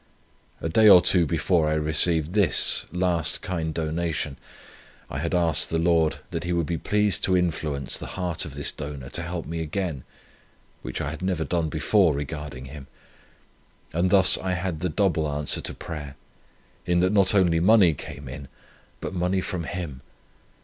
A day or two before I received this last kind donation, I had asked the Lord, that He would be pleased to influence the heart of this donor to help me again, which I had never done before regarding him; and thus I had the double answer to prayer, in that not only money came in, but money from him.